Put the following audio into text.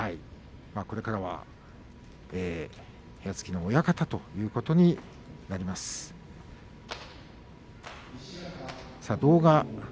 これからは部屋付きの親方ということになります千代鳳。